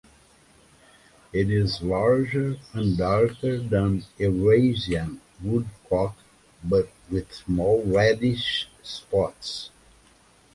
It is larger and darker than Eurasian woodcock but with small reddish spots.